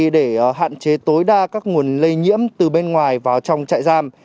để hạn chế tối đa các nguồn lây nhiễm từ bên ngoài vào trong trại giam